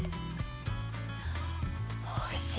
おいしい。